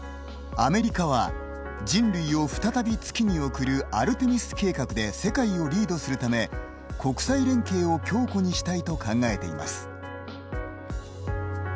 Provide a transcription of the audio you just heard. アメリカは人類を再び月に送る「アルテミス計画」で世界をリードするため国際連携を強固にしたいと考えています。